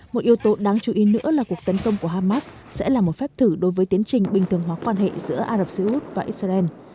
một yếu tố đáng chú ý nữa là cuộc tấn công của hamas sẽ là một phép thử đối với tiến trình bình thường hóa quan hệ giữa ả rập xê út và israel